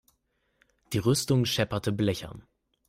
Die Rüstung schepperte blechern.